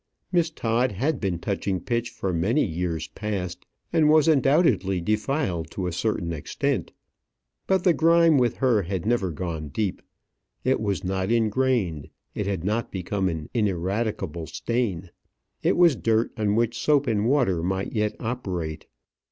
Miss Todd had been touching pitch for many years past, and was undoubtedly defiled to a certain extent. But the grime with her had never gone deep; it was not ingrained; it had not become an ineradicable stain; it was dirt on which soap and water might yet operate.